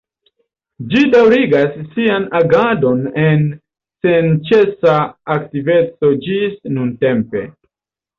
Ĝi daŭrigas sian agadon en senĉesa aktiveco ĝis nuntempe.